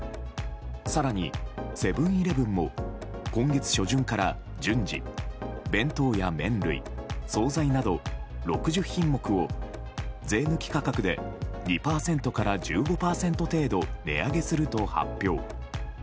更にセブン‐イレブンも今月初旬から順次、弁当や麺類総菜など６０品目を税抜き価格で２％から１５％程度値上げすると発表。